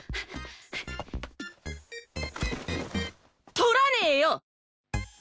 取らねえよ！